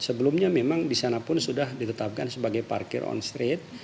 sebelumnya memang di sana pun sudah ditetapkan sebagai parkir on street